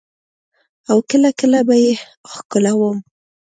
او کله کله به يې ښکلولم.